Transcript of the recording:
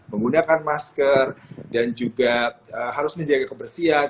menggunakan masker dan juga harus menjaga kebersihan